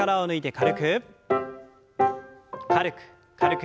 軽く軽く。